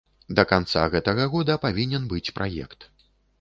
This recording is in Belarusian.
Да канца гэтага года павінен быць праект.